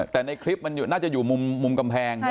แต่ในคลิปมันน่าจะอยู่มุมกำแพง